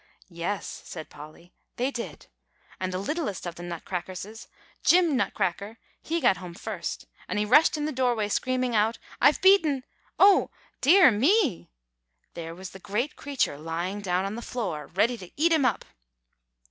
"Yes," said Polly; "they did. And the littlest of the Nutcrackerses, Jim Nutcracker, he got home first; and he rushed in the doorway screaming out, 'I've beaten oh dear me!' there was the great creature lying down on the floor, ready to eat him up!"